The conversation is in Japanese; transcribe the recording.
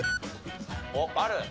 おっある？